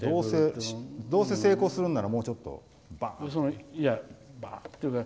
どうせ成功するならもうちょっと、バーンって。